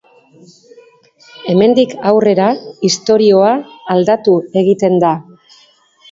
Hemendik aurrera, istorioa aldatu egiten da.